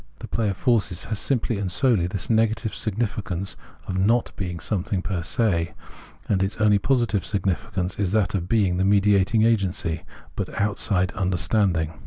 The play of forces has simply and solely this negative significance of not being something j^er se; and its only positive significance is that of being the mediating agency, but outside understanding.